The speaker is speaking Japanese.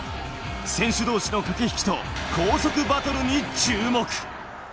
選手同士の駆け引きと高速バトルに注目。